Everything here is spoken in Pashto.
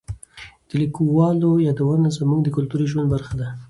د لیکوالو یادونه زموږ د کلتوري ژوند برخه ده.